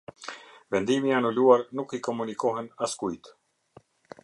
Vendimi i anuluar nuk i komunikohen askujt.